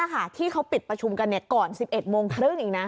ค่ะที่เขาปิดประชุมกันเนี้ยก่อนสิบเอ็ดโมงครึ่งอีกน่ะ